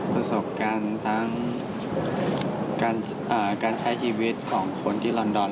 ประสบการณ์ทั้งการใช้ชีวิตของคนที่ลอนดอน